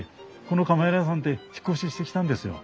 このカメラ屋さんって引っ越ししてきたんですよ。